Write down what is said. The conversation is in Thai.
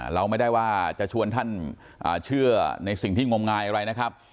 เราไม่ได้ว่าจะชวนท่านเชื่อในสิ่งที่งมงายอะไรนะครับ